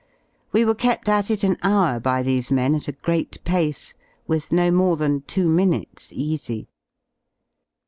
We were kept at it an hour by these men at a great pace, with no more than two minutes "easy."